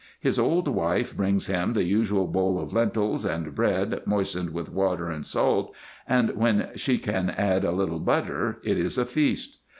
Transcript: His old wife brings him the usual bowl of lentils and bread moistened with water and salt, and when she can add a little butter it is a feast.